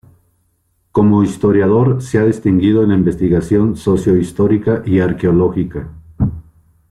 Como historiador se ha distinguido en la investigación socio-histórica y arqueológica.